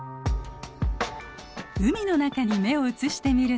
海の中に目を移してみると。